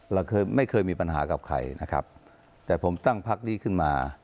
เราเคยไม่เคยมีปัญหากับใครนะครับแต่ผมตั้งพักนี้ขึ้นมา